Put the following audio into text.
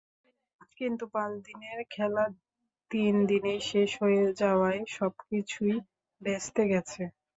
কিন্তু পাঁচ দিনের খেলা তিন দিনেই শেষ হয়ে যাওয়ায় সবকিছুই ভেস্তে গেছে।